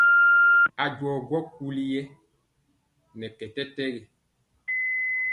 A jɔ gwɔ kuli nɛ a kɛ tɛtɛgi.